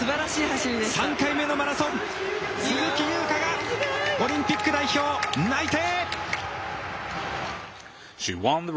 ３回目のマラソン、鈴木優花が、オリンピック代表内定。